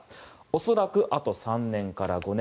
恐らくあと３年から５年。